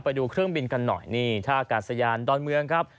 ไปดูเครื่องบินกันหน่อยนี่ท่าอากาศยานดอนเมืองครับ